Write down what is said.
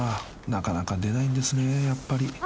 ［なかなか出ないんですねやっぱり］